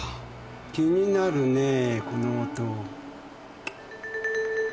気になるねえこの音。